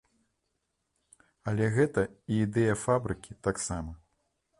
Але гэта і ідэя фабрыкі таксама.